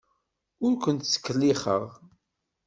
Ur ken-ttkellixeɣ.